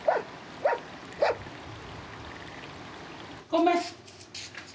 ごめん。